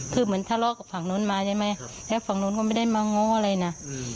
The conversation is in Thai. คือเหมือนทะเลาะกับฝั่งนู้นมาใช่ไหมแล้วฝั่งนู้นก็ไม่ได้มาง้ออะไรนะ